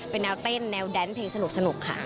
เป็นแนวเต้นแนวแดนเพลงสนุกค่ะ